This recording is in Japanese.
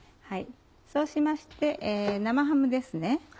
そうしまして生ハムですね。